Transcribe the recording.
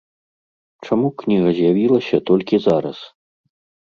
Чаму кніга з'явілася толькі зараз?